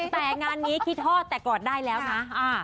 แต่งานนี้คิดฮอดแต่กอดได้แล้วนะ